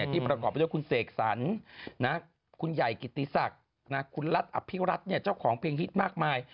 ต่อไปด้วยคุณเสกสรรคุณใหญ่กิตติศักดิ์คุณลัทธ์อภิรัทธ์เจ้าของเพลงฮิตมากมาย